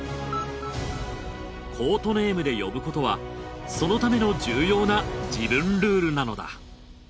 コートネームで呼ぶことはそのための重要な自分ルールなのだ。